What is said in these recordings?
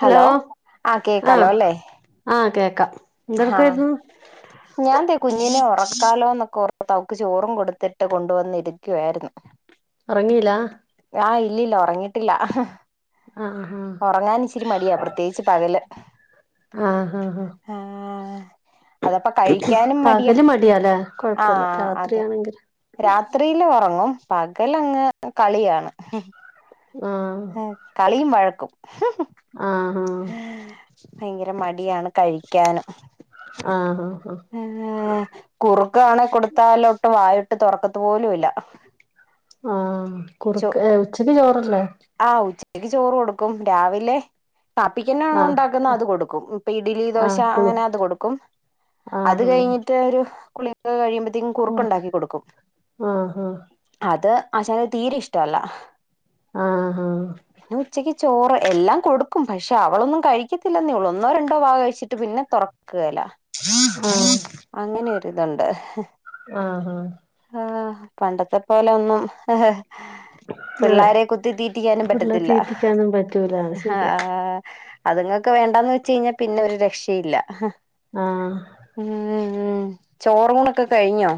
Hello ആ ആഹ് കേക്കാലോ അല്ലേ ആഹ് കേക്കാം ഹാ എന്തെടുക്കായിരുന്നു ഞാൻതെ കുഞ്ഞിനെ ഉറക്കാലോന്നൊക്കോർ ത്ത് അവക്ക് ചോറും കൊടുത്തിട്ട് കൊണ്ടുവന്നിരിക്കുവായിരുന്നു. ഉറങ്ങിയില്ല ആ ഇല്ലില്ല ഒറങ്ങിട്ടില്ല ആഹ് ഒറങ്ങാൻ ഇച്ചിരി മടിയാ പ്രത്യേകിച്ച് പകല് ആഹ് ആഹ് ആഹ് ആ അതപ്പ കഴിക്കാനും മടിയാ പകല് മടിയാല്ലേ ആ കൊഴപ്പല്ല ആ അതെ രാത്രിയാണെങ്കിൽ രാത്രില് ഒറങ്ങും പകലങ്ങ് കളിയാണ് ആഹ് കളിയും വഴക്കും ആഹ് ഭയങ്കര മടിയാണ് കഴിക്കാനും ആണോ ഈഹ് കുറുക്കാണേ കൊടുത്താലൊട്ട് വായൊ ട്ട് തൊറക്കത്ത് പോലു ഇല്ല ആ ചോ കുറുക്ക് ഏഹ് ഉച്ചക്ക് ചോറല്ലേ ആഹ് ഉച്ചക്ക് ചോറ് കൊടുക്കും രാവിലെ കാപ്പിക്കെന്നാണോ ഇണ്ടാക്കുന്നെ ആഹ് അത് കൊടുക്കും. ഇപ്പ ഇഡ്ഡലി ദോശ ആഹ് കുളു അങ്ങനെ അത് കൊടുക്കും അത് ആഹ് കഴിഞ്ഞിട്ട് ഒരു കുളികെ കഴിയു അ കുറുക്കുണ്ടാക്കി കൊടുക്കും ആഹ് ആഹ് അത് അഛൻന് തീരെ ഇഷ്ടമല്ല ആഹ ആഹ് പിന്നെ ഉച്ചക്ക് ചോറ് എല്ലാം കൊടുക്കും പക്ഷേ അവളൊന്നും കഴിക്കത്തില്ലന്നെ ഉള്ളൂ. ഒന്നോ രണ്ടോ വാ കഴിച്ചിട്ട് പിന്നെ തൊറക്ക്കേല ഉം ഇത്ണ്ട് ആഹ് ഹാ ആ പണ്ടത്തെ പോലെ ഒന്നും [unintelligible] പിള്ളാരെ കുത്തി തീറ്റിക്കാനും പിള്ളേരെ പറ്റത്തില്ല തീറ്റിക്കാനും പറ്റൂല അത് ആഹാ ശരിയാ അത്ങ്ങക്ക് വേണ്ടന്ന് വെച്ച് കഴിഞ്ഞാൽ പിന്നെ ഒരു രക്ഷയില്ല ആ മ്മ് ചോറൂണെക്കെ കഴിഞ്ഞോ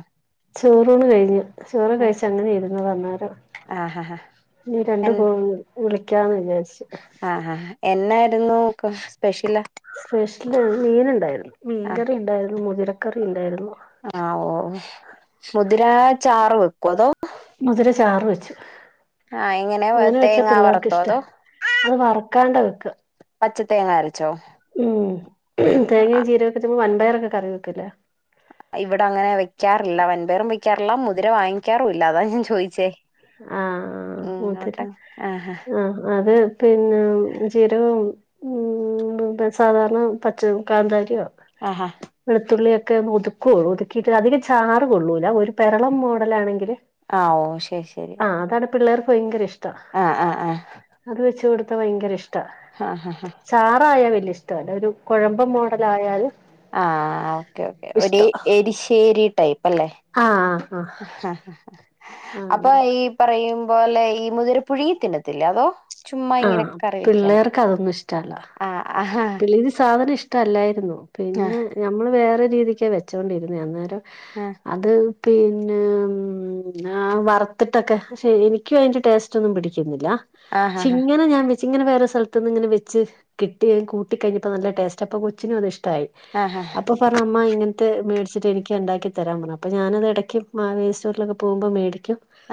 ചോറൂണ് കഴിഞ്ഞു ചോറ് കഴിച്ച് അങ്ങനെ ഇര്ന്നത അന്നേരം ആഹ് നീ രണ്ടു എൻ കേൾ വിളിക്കാന്ന് വിചാരിച്ച് ആഹ് ആഹ് എന്നായിരുന്നു സ്പെഷ്യല് സ്പെഷ്യലിന്ന് മീൻണ്ടായിരുന്നു മീൻകറി ഉണ്ടായിരുന്നു മുതിരക്കറി ഉണ്ടായിരുന്നു ആ ഓ മുതിരാ ചാറ് വെക്കും അതോ മുതിര ചാറ് വെച്ച് ആഹ് എങ്ങനെ അങ്ങനെ വെച്ചാ തേങ്ങ പിള്ളേർക്ക് വറുത്തോ ഇഷ്ട അതോ അത് വറ്ക്കാണ്ട് വെക്ക പച്ച തേങ്ങാ അരച് മ്മ് തേങ്ങയും ചീരൊക്കെ ച വൻപയർൊക്കെ കറി വെക്കിലെ ഇവിടെ അങ്ങനെ വെക്കാറില്ല വൻപയറും വെക്കാറില്ല മുതിര വാങ്ങിക്കാറുല്ല അതാ ഞാൻ ചോദിച്ചേ ആഹ മുത്തര ഇങ്ങോട്ട ആഹ് ആഹ അത് പിന്നെ ജിരകവും മ്മ്ം പി സാധാരണ പച്ച കാന്താരിയോ ആഹ് വെളുത്തുള്ളിയൊക്കെ ഒക്കെ ഒന്ന് ഒതുക്കയുള്ളൂ ഒതുക്കിയിട്ട് അധിൽ ചാറ് കൊള്ളൂല ഒരു പരളം മോഡല് ആണെങ്കിൽ ആ ഓ ശെ ആഹ അതാണ് പിള്ളേർക്ക് ഭയങ്കര ഇഷ്ടം ആഹ് ആഹ് ആഹ് അത് വെച്ച് കൊടുത്താ ഭയങ്കര ഇഷ് ട ആഹ് ചാറായാൽ വലിയ ഇഷ്ടല്ല ഒരു കെഴമ്പ മോഡല ആായൽ ആ ഓക്കെ ഓക്കെ ഒരു എരിശ്ശേരി ടൈപ്പ് ല്ലാ ആഹ് ആഹ് ഹ ഹ ഹ അപ്പൊ ആഹ് ഈ പറയുമ് പോലെ ഈ മുതിര പുഴിയ് തിന്നത്തില്ല അതോ ചുമ്മാ ആഹ ഇങ്ങനെ കറി വെക്കാനോ പിള്ളേർക്ക് അതൊന്നും ഇഷ്ടല്ല ആഹ് ആഹ് പിള്ളേര് സാധനം ഇഷ് ഇഷ്ടല്ലായിരുന്നു പിന്നെ നമ്മള് വേറെ രീതിക്ക വെച്ചൊണ്ടിരുന്നേ അന്നേരം ആഹ് അത് പിന്നെ വറത്തിട്ടൊക്കെ പക്ഷെ എനിക്കും അതിൻ്റെ ടേസ്റ്റ് ഒന്നും പിടിക്ക് ക്ക്നില്ല ആഹ് പക്ഷെ ആഹ് ഇങ്ങനെ ഞാൻ ഇങ്ങനെ വേറെ സ്ഥലത്ത്നി ഇങ്ങെ വെച്ച് കിട്ട കൂട്ടിഴിഞ്ഞപ്പോ നല്ല ടേസ്റ്റ് അപ്പൊ കൊച്ചിനും അത്ഷ്ട ആഹ് ആഹ് അപ്പൊ പറമ്മ മേടിച്ചിട്ട് എക്ക് ഉണ്ടാക്കി തരാൻുഅപ്പോ ഞാനത് ഇടയ്ക്ക് ആ മവേല്സ്റ്റ്റ്റോറിലൊക്കെ പോകുമ്പോ മേ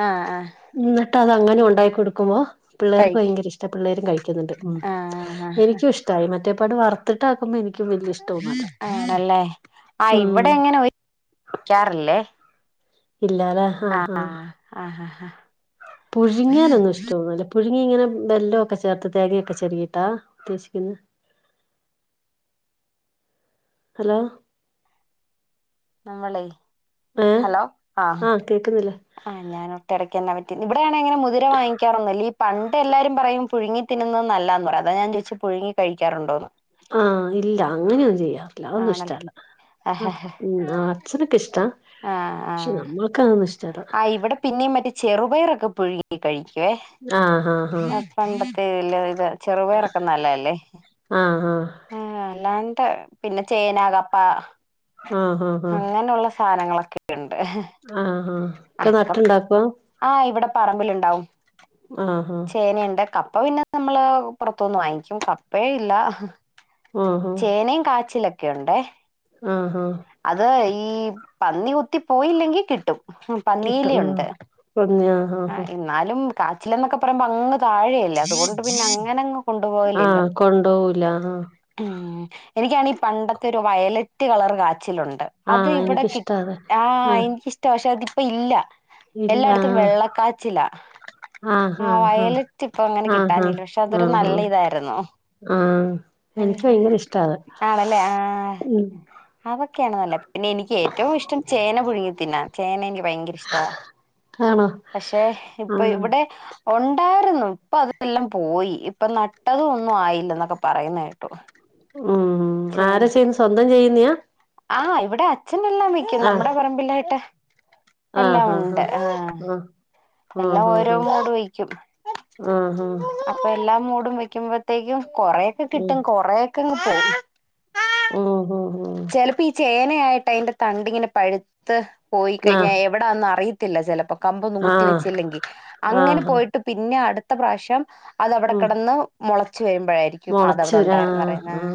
ആഹ് ആഹ് എന്നിട്ട് അത്ങ്ങനെ ഉണ്ടാക്ക കൊടുക്കുമ്പോ പിള്ളേർക്ക് കഴിക്കും ഭയങ്കര ഇഷ്ട പിള്ളേരും കഴി ണ്ട് ഉ ആഹ് എനിക്കും ഇഷ്ടമായി മറ്റേപ്പാട് വറ്ത്തിട്ടാക്കുമ്പോ എനിക്ക് ആണല്ലേ ആ ഉം ഇവിടെ എങ്ങനെയിക്കാറില്ലേ ഇല്ലല്ലേ ആഹ് ഹഹ ആഹ് പുഴുങ്ങിയാനൊന്നും ഇഷ്ടെന്നുല പുഴുങ്ങി ഇങ്ങനെ വെല്ലമൊക്കെ ചേർത്ത് തേകയൊക്കെ ചെറട്ടിട ഉദ്ദേശിക്കുന്നെ [inaudible] ഹലോ നമ്മള ഏഹ് ഹലോ ആഹ ആഹ് കേക്കുന്നില്ലേ ആ് ഞാൻ ഒട്ട അടക്കന്നാ പറ്റി ഇവിടെ ങ്ങന മുതിര വങ്ങിക്കാറൊന്നില്ല പണ്ടെല്ലാരും പറയും പുഴുങ്ങി തിന്നുന്നത് നല്ലതാന്ന് പറയും അതാ ഞാൻ ചോദിച്ചെ പുഴുങ്ങി കഴിക്കാറുണ്ടോന്ന് ആഹ് ഇല്ല അങ്ങനെയൊന്നും ചെയ്യാറില്ല അതൊന്നും ആണല്ലേ ഇഷ്ടല്ല ആഹ് അച്ഛനൊക്കെ ഇഷ്ടാ ആഹ് പക്ഷെ ആഹ് നമ്മൾക്ക് അതൊന്നും ഇഷ് ആഹ് ഇവിടെ പിന്നെയും മറ്റേ ചെറുപയറൊക്കെ പുഴുങ്ങി കഴിക്കുവേ ആഹ് ആഹ് പണ്ടത് ഇല്ല ഇത് ചെറുപയറൊക്കെ നല്ലെയല്ലേ ആഹ് ആഹ് ആഹ് പിന്നെ ചേന കപ്പ ആഹ് ഹാ ഹാ അങ്ങനെയുള്ള സാധനങ്ങളൊക്കെ ഉണ്ട്. ഒക്കെ അപ്പം നട്ടുണ്ടാക്കോ ആഹ് ഇവിടെ പറമ്പിൽ ഉണ്ടാവും ആഹ് ആഹ് ചേനയുണ്ട് കപ്പ കപ്പ പിന്നെ നമ്മള് പൊറത്തുനിന്ന് വാങ്ങിക്കും കപ്പ ഇല്ല ആഹ് ആഹ് ചേനയും കാച്ചിലൊക്കെ ഉണ്ടേ ആഹ് ഹാ അത് ഈ പന്നി കുത്തി പോയില്ലെങ്കിൽ കിട്ടും കിട്ടും ആഹ് പന്നിയെലിയുണ്ട് ആഹ് എന്നാലും കാച്ചിലെന്നൊക്കെ പറയുമ്പം അങ്ങ് താഴെയല്ലേ? അതുകൊണ്ട് പിന്നെ അങ്ങനങ്ങ് കൊണ്ടുപോകലില്ല. ആഹ് കൊണ്ടോവൂല ആഹ് ഏഹ് എനിക്കാണ് ഈ പണ്ടത്തെ ഒരു വയലറ്റ് കളർ കാ ച്ചിലുണ്ട് അത് ആഹ് ഇവിടെ കി എനിക്കിഷ്ടാ അത് ആഹ് എനിക്കിഷ്ടാ പക്ഷെ അതിപ്പം ഇല്ല ഇല്ലാ ആഹ് ച്ചിലാ ആഹ് വയലറ്റ് ഇപ്പം അങ്ങനെ ആഹ് ആഹ് കിട്ടാനില്ല പക്ഷെ അതൊരു ആഹ് ആഹ് നല്ല ആഹ് ഇതായിരുന്നു ആഹ് എനിക്ക് ഈഹ് ഭയങ്കര ഇഷ്ടാ അത് ആണല്ലേ? ആഹ് ഉം അതൊക്കെയാണ്‌ നല്ലെ പിന്നെ എനിക്ക് ഏറ്റവും ഇഷ്ടം ചേന പുഴുങ്ങിത്തിന്നാൻ. ചേന എനിക്ക് ഭയങ്കര ഇഷ്ടവാ ആണോ പക്ഷെ ഇപ്പം ആഹ് ഇവിടെ ഉണ്ടാരുന്നു. ഇപ്പം അതെല്ലാം പോയി ഇപ്പം നട്ടതും ഒന്നും ആയില്ല എന്നൊക്കെ പറയുന്ന കേട്ടു ഉം ആരാ ചെയ്യുന്നെ സ്വന്തം ചെയ്യുന്നെയാ? ആഹ് ഇവിടെ അച്ഛനെല്ലാം വെയ്ക്കും ആഹ് നമ്മുടെ പറമ്പിലായിട്ട് എല്ലാം ഉണ്ട്. ആഹ് എല്ലാം ആഹ് ഓരോ ആഹ് മൂട് വെയ്ക്കും. ആഹ് ആഹ് ആഹ് അപ്പൊ എൽ എല്ലാ മൂടും വെക്കുമ്പത്തേക്കും കൊറേയൊക്കെ ആഹ് ഉം കിട്ടും കൊറേയൊക്കെ അങ്ങ് പോവും. ഉം ഉം ഉം ആയിട്ട് അതിന്റെ തണ്ടിങ്ങനെ പഴുത്ത് പോയി ആഹ് കഴിഞ്ഞാൽ എവിടാന്ന് അറിയത്തില്ല ചിലപ്പം ക കുത്തിവെച്ചില്ലെങ്കി. ആഹ് അങ്ങനെ ആഹ് പോയിട്ട് പിന്നെ അട്ത്ത പ്രാവശ്യം അത് അവിടെ ഉം കെടന്ന് മൊളച്ച് വര്മ്പഴായിരിക്കും മുളച്ചു അതവിടെ വരും ഉണ്ടായിരുന്നു അറിയുന്നെ. ആഹ്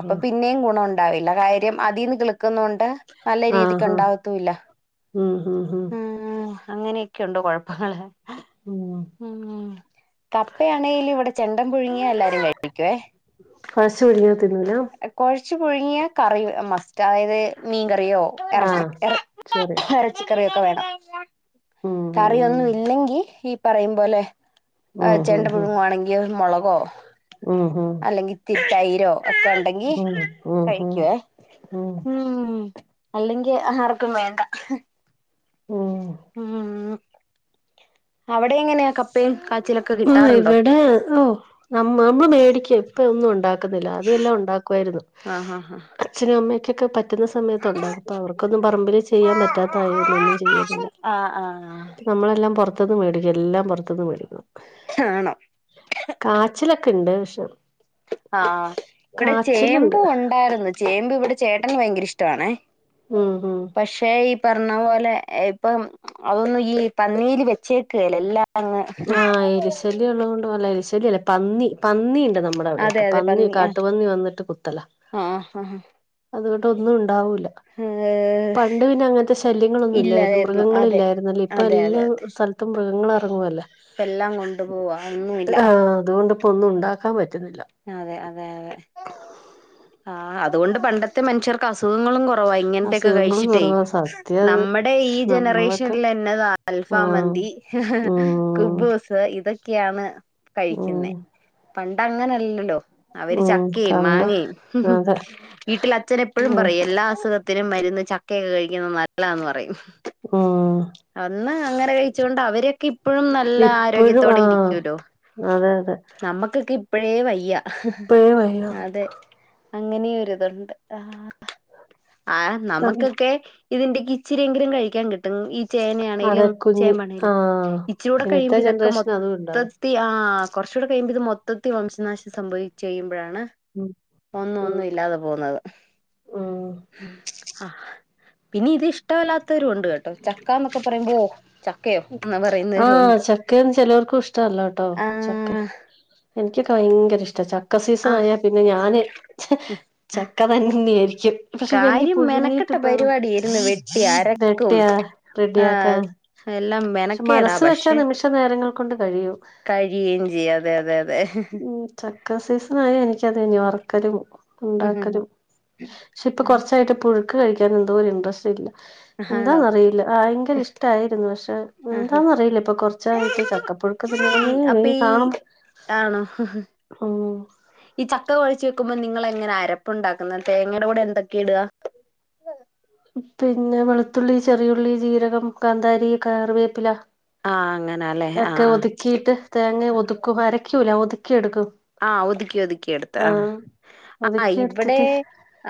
അപ്പം പിന്നെയും ഗുണം ഉണ്ടാവില്ല കാര്യം അതീന്ന് കിള് ക്ക്ന്നോണ്ട് നല്ല രീതിക്ക് ആഹ് ആഹ് ആഹ് ആഹ് ഉണ്ടാവത്തും ഇല്ല. ഉം ഉം ഉം അങ്ങനെയൊക്കെയുണ്ട് കുഴപ്പങ്ങള് ഉം ഉം കപ്പയാണേല് ഇവിടെ ചെണ്ടം പുഴുങ്ങിയാ എല്ലാരും കഴിക്കുവേ ച്ച് പുഴുങ്ങിയാ തിന്നൂലാ ച്ച് പുഴുങ്ങിയാ കറി മസ്റ്റ് ആയതേ മീൻ കറി കറിയോ എറച്ചി ആഹ് എറ ശരി എറച്ചിക്കറിയോ ഒക്കെ വേണം ഉം കറിയൊന്നും ഇല്ലെങ്കി ഈ പറയും പോലെ ഉം ചെണ്ട ഉം ഉം പുഴുങ്ങുവാണെങ്കിൽ മുള ഓ ഉം ഉം അല്ലെങ്കി ഇത്തിരി തൈരോ ഒക്കെ ഉണ്ടെങ്കി ഉം ഉം ഉം ഉം കഴിക്കുവേ ഉം അല്ലെങ്കിൽ ആർക്കും വേണ്ട ഉം ഉം അവിടെ എങ്ങനെയാ കപ്പയും കാ ആഹ് ഇവിടെ ഓ നമ്മ നമ്മള് മേടിക്കും ഇപ്പം ഒന്നും ഉണ്ടാക്കുന്നില്ല അദ്യം എല്ലാം ഉണ്ടാക്കുവ വാരുന്നു ആഹ് ആഹ് അച്ഛനും അമ്മയും പറ്റുന്ന സമയത്തുണ്ടാകും ഇപ്പൊ അവർക്കൊന്നും പറമ്പില് ചെയ്യാൻ പറ്റാത്തതായോണ്ട് ഒന്നും ചെയ്യലില്ല ആഹ് ആഹ് നമ്മളെല്ലാം പൊറ പുറത്തുന്ന് മേടിക്കും എല്ലാം പുറത്തുന്ന് മേടിക്കും ആണോ കാച്ചിലൊക്കെണ്ട് പക്ഷെ ആഹ് ഇവിടെ കാച്ചിലുണ്ട് ചേമ്പും ഉണ്ടായിരുന്നു ചേമ്പും ഇവിടെ ചേട്ടന് ഭയങ്കര ഇഷ്ടമാണെ. ആഹ് ആഹ് പറഞ്ഞ പോലെ ഇപ്പം അതൊന്നും ഈ പന്നീല് വെച്ചേക്കേലല്ല ആഹ് എലി ശല്യം ഉള്ളതുകൊണ്ട് എലി ശല്യം അല്ലേ പന്നി പന്നി ണ്ട് നമ്മുടെ അതെ അവിടെയൊക്കെ അതെ പന്നി ആ കാട്ടുപന്നി വന്നിട്ട് കുത്തലാ ആ ആ [unintelligible] [inaudible] പണ്ടു പിന്നെ അങ്ങനത്തെ ശല്യങ്ങളൊന്നും ഇല്ലായിരുന്നു മൃഗങ്ങളി ല്ലായിരുന്നല്ലേ ഇപ്പൊ അതെ എല്ലാ സ്ഥലത്തും മൃഗങ്ങള് ഇറങ്ങുവല്ലേ. ഇപ്പ എല്ലാം കൊണ്ടു പോവാ ഒന്നുല്ല ആഹ് അതുകൊണ്ട് ഇപ്പം ഒന്നും ഉണ്ടാക്കൻ പറ്റില്ല. അതെ അതെ അതെ ആ അതുകൊണ്ട് പണ്ടത്തെ മനുഷ്യർക്ക് അസ് അസുഖങ്ങളും കുറവാ ഇങ്ങനത്തെ ഒക്കെ അസുഖങ്ങളും കഴിച്ചിട്ടേ കുറവാ സത്യം അത് നമ്മുടെ ഈ നമ്മളൊക്കെ ജനറേഷനിൽ എന്നത് ആഹ് അൽഫാം ആഹ് മന്തി ഉം കുബൂസ് ഇതക് ഒക്കെയാണ് കഴിക്കുന്നത് ഉം പണ്ടങ്ങനല്ലല്ലോ അവര് ഉം ചക്കയും കണ്ട് മാങ്ങയും അതെ വീട്ടിൽ അച്ഛൻ എപ്പോഴും പറയും എല്ലാ അസുഖത്തിനും ത്തിരിനും മരുന്ന് ചക്കയൊക്കെ കഴിക്കുന്നത് നല്ലാന്ന് പറയും. ഓ അന്ന് അങ്ങനെ കഴിച്ചേ കൊണ്ട് അവരൊക്കെ ഇപ്പോഴും നല്ല ഇപ്പോഴും ആരോഗ്യത്തോടെ ആഹ് ഇരിക്കൂല്ലോ അതെ അതെ നമ്മക്കൊക്കെ ഇപ്പഴേ വയ്യ ഇപ്പഴേ വയ്യ അതെ അങ്ങനെയൊരിതുണ്ട് ആഹ് കാരണം നമുക്കൊക്കെ ഇതിന്റെ ഇച്ചിരിയെങ്കിലും കഴിക്കാൻ കി ഈ ചേനയാണെങ്കലും അതെ കുഞ്ഞ് ചേമ്പ ആണേലും ആഹ് ഇച്ചില കൂടെ ഇന്നത്തെ കഴിയുമ്പോ ഇതൊക്കെ ജനറേഷൻ അതും ഉണ്ടാവും മൊത്തത്തിൽ ആഹ് കുറച്ചകൂടെ കഴിയുമ്പോ ഇത് മൊത്തത്തി വംശനാശം സംഭവി ച്ചയ്യും മ്പഴാണ് ഉം ഒന്നും ഉം ഒന്നും ഇല്ലാതെ പോകുന്നത്. ഉം ആഹ് പിന്നെ ഇത് ഇഷ്ടമല്ലാത്തവരും ഉണ്ട് കേട്ടോ ചക്ക എന്നൊക്കെ പറയുമ്പോ ഓ ചക്കയോ എന്ന് പറയുന്നവരും ആഹ് ഉണ്ട് ചക്കന്ന് ചെലവർക്കും ഇഷ്ടല്ലോട്ടോ ആ ചക്ക എനിക്കൊക്കെ ഭയങ്കര ഇഷ്ട ചക്ക സീസൺ ആ ആയാൽ പിന്നെ ഞാന് ചക്ക തന്നെയായിരിക്കും. പക്ഷെ എനിക്ക് കാര്യം പുഴുങ്ങിയിട്ട് മെനക്കെട്ട ഇപ്പോ, പരിപാടിയായിരുന്നു വെട്ടി അരക്കും നെട്ടിയ ആ റെഡിയാക്കാൻ എല്ലാം പക്ഷെ മെനക്കേടാ മനസ്സ് വച്ചാൽ പക്ഷെ നിമിഷ നേരങ്ങൾ കൊണ്ട് കഴിയൂ. കഴിയുകയും ചെയ്യും അതെ അതെ അതെ ഉം ചക്ക സീസൺ ആയാൽ എനിക്കും അത് തന്നെയാ വറക്കലും ഉണ്ടാക്കലും, പക്ഷെ ഇപ്പൊ കൊറച്ചായിട്ട് പുഴുക്ക് കഴിക്കാൻ എന്തോ ഒരു ഇൻട്രസ്റ്റ് ഇല്ല. ആണോ എന്താന്നറിയില്ല ഭയങ്കര ഇഷ്ടായിരുന്നു. പക്ഷെ ആഹാ എന്താന്നന്ന് അറിയില്ല ഇപ്പൊ കൊറച്ചായിട്ട് ചക്കപ്പുഴുക്ക് ഈ തിന്നണെന്നേ അപ്പൊ ഇ ഈ കാണുമ്പോ ആണോ ഉംഹ് ഈ ചക്ക വഴിച്ചൊക്കെ കുമ്പോ നിങ്ങൾ എങ്ങനെ അരപ്പുണ്ടാക്കുന്ന തേങ്ങയുടെ കൂടെ എന്തൊക്കെ ഇട പിന്നെ വെളുത്തുള്ളി, ചെറിയുള്ളി, ജീരകം, കാന്താരി, കറിവേപ്പില. ആ അങ്ങനാ അല്ലെ ആ ഒക്കെ ആ ഒതുക്കിയിട്ട് തേങ്ങ ഒതുക്കും അരക്കൂല ഒതുക്കി എടുക്കും. ആ ഒതുക്കി ഒതുക്കി എടുത്ത് ആഹ് ആഹ് ഒതുക്കി ഇവടെ എടുത്തിട്ട്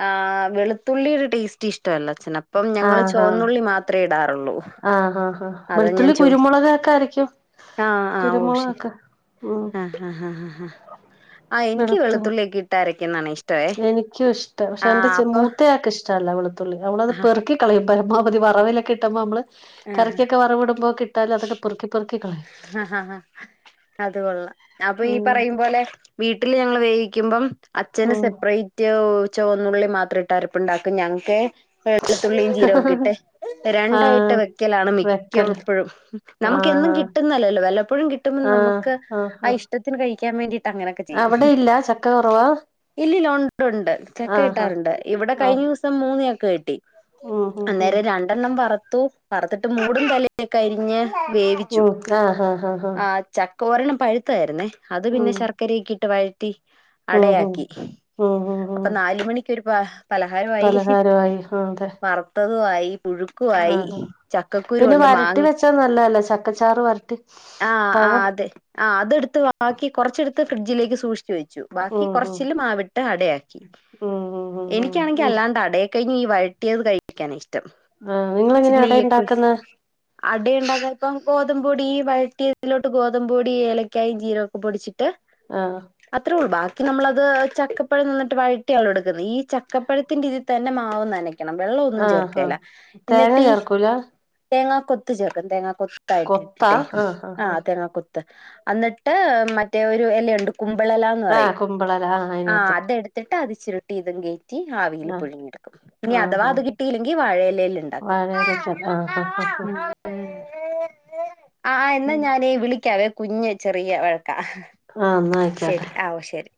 ആഹ് വെളുത്തുള്ളിടെ ടേസ്റ്റ് ഇഷ്ടല്ല. ചെനപ്പം ഞങ്ങൾ ആഹ് ചുവന്നുള്ളി മാത്ര ഇടാറുള്ളൂ. ആ അതാ ഞാൻ വെളുത്തുള്ളി, ചോദി കുരുമുളകൊക്കെ അരയ്ക്കും. ആഹ് ആഹ് ഓ ശരി ഉം ആഹഹ. ആഹ് എനിക്ക് വെളുത്തുള്ളി വെളുത്തുള്ളിയൊക്കെ ഇട്ടാര എനിക്കും ഇഷ്ട, പക്ഷെ എന്റെ ആഹ് അപ്പൊ മൂത്തയാക്ക് ഇഷ്ടല്ല വെളുത്തുള്ളി, അവളത് ആഹ് പെറുക്കി കളയും. പരമാവധി വറവിലൊ കിട്ടുമോ നമ്മള് ആഹ് കറിക്കൊക്കെ വറവിടുമ്പോ കിട്ടാല്, അതൊക്കെ പൊറുക്കി പൊറുക്കിക്കളയും. ആഹ് ആഹ് അത് കൊള്ളാം. അപ്പൊ ഈ പറയുംപോലെ വീട്ടിൽ [unintelligible] വേവിക്കുമ്പം അച്ഛന് ഉം സെപ്പറേറ്റ്... ചോന്നുള്ളി മാത്രംട്ട് അരപ്പ്‌ണ്ടാക്കും ഞക്ക് വെളുത്തുള്ളിയും ജീരകോകിട്ട് രണ്ടായി ട്ട് ആഹ് വെയ്ക്കലാണ് വെക്കല് മിയ്കോപ്പഴും നമുക്കെന്നും ആഹ് കിട്ടുന്നല്ലല്ലോ വല്ലപ്പോഴും കിട്ടുമ്പോ നമ്മക്ക് ആ ഇഷ്ടത്തിന് കയ് അവടെ ഇല്ല ചക്ക കൊറവാ? ഇല്ലില്ല ഒണ്ട് ണ്ട് ചക്ക ആഹ് ആഹ് കിട്ടാറുണ്ട് ഇവിടെ ആഹ് കയ്ഞ്ഞുസം മൂന്ന് ച ക്ക കിട്ടി ഉം ഉം ഉം അന്നേരം രണ്ടെണ്ണം വറത്തു വറത്തിട്ട് മൂടും തലെ ഒക്കെ അരിഞ്ഞ് വേവിച്ചു ഉം ആഹ് ആഹ് ആഹ് ആ ആഹ് ച ഒരെണ്ണം പഴ്ത്തായിര്ന്നേ അത് പിന്നെ ഉം ശർക്കരെകിട്ട് വയ ഉം ഉം അടയാക്കി ഉം ഉം ഉം അപ്പൊ നാല് മണിക്കൊരു പ പലഹാരവായി ഇ ഹി പലഹാരമായി ആഹ് അതെ വറുത്തതു ആയി പുഴുക്കുവായി ആഹ് പിന്നെ ചക്കക്കുരുണ്ട് വരട്ടി മാങ്ങ വെച്ചാ നല്ലതല്ലേ ചക്കച്ചാറ് വരട്ടി ആ പഴം ആത് ആ അത് ട്ത്ത് ബാക്കി കൊറച്ചെടുത്ത് ഫ്രിഡ്ജിലേക്ക് സൂക്ഷിച്ചു വെ ബാക്കി ഉം കൊറച്ചില് മാവിട്ട് അടയാക്കി ഉം ഉം ഉം ഉം ഉം എനിക്കാണെങ്കി ഉം അല്ലാണ്ട അടയ് കയിഞ്ഞി ഈ വഴട്ടിയത് കഴിക്കാനായിഷ്ടം ആഹ് നിങ്ങളങ്ങനെയാ അടയിണ്ടാക്ന്നെ? അടയിണ്ടാക്കപ്പോ ഗോതമ്പൊടി ഇ വഴറ്റിതിലോട്ട് ഗോതമ്പോടി ഏലക്കായും ജീരോക്കെ പൊടിച്ചി ട്ട് ആഹ് അത്രോള്ളു ബാ നമ്മളത് ചക്കപ്പഴം നന്നായ്ട്ട് വഴറ്റിയാള്ളോ എടുക്കുന്നെ ഈ ചക്കപ്പഴത്തിന്റെ ഇതി തന്നെ മാവും നന ക്കണം വെള്ളോന്നും ആഹ് ആഹ് ചേർക്കേല തേങ്ങ എന്നിട്ടീ ചേർക്കൂല തേങ്ങാ കൊത്ത് ചേർക്കും തേങ്ങാ കൊത്തായിട്ട് കൊത്താ ഇട്ടിട്ടേ ആഹ് ആ ആഹ് ആഹ് തേങ്ങാ കൊത്ത്. അന്നട്ട് മറ്റേ ഒരു എലെഒണ്ട് കുമ്പളലാന്ന് ആഹ് പറയും കുമ്പളെല ആഹ് ആ അയിനാത്ത് അതെടുത്തിട്ട് അത് ചുരുട്ടി ഇതും കേറ്റി ഞ്ഞി ആവില് ആഹ് പുഴുങ്ങിയെടുക്കും ഞ്ഞി ആഹ് അഥവാ ആഹ് അത് കിട്ടിയില്ലെങ്കി വഴയിലെല് ണ്ടാക്കും. ആ ഹ ഹാ ഹാ ആ എന്നാ ഞാന് വിളിക്കാവേ കുഞ്ഞ് ചെറിയ വഴക്കാ. ആഹ് എന്നാ ശെരി ആയിക്കോട്ടെ ആ ഒ ശെരി.